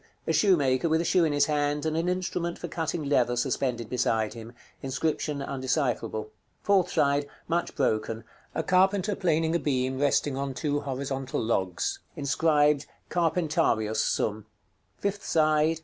_ A shoemaker with a shoe in his hand, and an instrument for cutting leather suspended beside him. Inscription undecipherable. Fourth side. Much broken. A carpenter planing a beam resting on two horizontal logs. Inscribed "CARPENTARIUS SUM." _Fifth side.